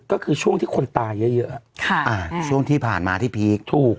ก็คือช่วงที่คนตายเยอะช่วงที่ผ่านมาที่พีคถูก